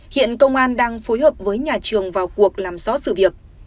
hiện công an đang phối hợp với nhà trường vào cuộc làm rõ sự việc